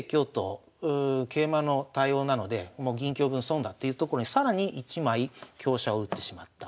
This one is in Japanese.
桂馬の対応なのでもう銀香分損だっていうところに更に１枚香車を打ってしまった。